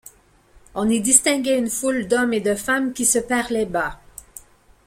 On y distinguait une foule d’hommes et de femmes qui se parlaient bas.